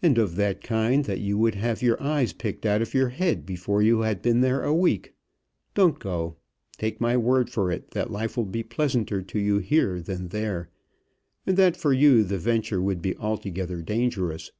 "And of that kind that you would have your eyes picked out of your head before you had been there a week. Don't go. Take my word for it, that life will be pleasanter to you here than there, and that for you the venture would be altogether dangerous.